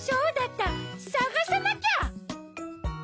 さがさなきゃ！